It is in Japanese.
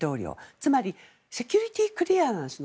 つまりセキュリティークリアランスの